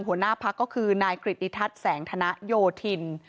หัวหน้าพักก็คือนายกริติทัศน์แสงธนโยธิน